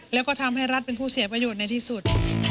แล้วก็ทำให้รัฐเป็นผู้เสียประโยชน์ในที่สุด